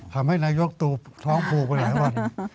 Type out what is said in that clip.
ทำให้นายกตูท้องผูกไปหลายวัน